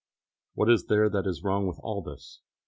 What is there that is wrong with all this?